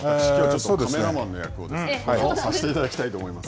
カメラマンの役をさせていただきたいと思います。